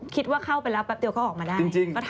คิดว่าเข้าไปแล้วแป๊บเดี๋ยวก็ออกมาได้ก็ทำอีก